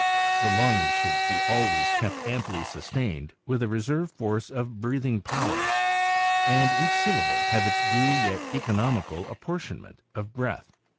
The lungs should be always kept amply sustained with a reserve force of breathing power, and each syllable have its due yet economical apportionment of breath.